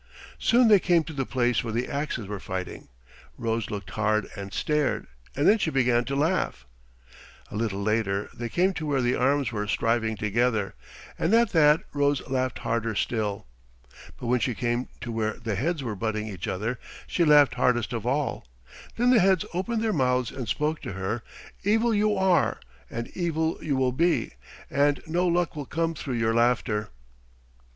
Soon they came to the place where the axes were fighting. Rose looked and stared, and then she began to laugh. A little later they came to where the arms were striving together, and at that Rose laughed harder still. But when she came to where the heads were butting each other, she laughed hardest of all. Then the heads opened their mouths and spoke to her. "Evil you are, and evil you will be, and no luck will come through your laughter."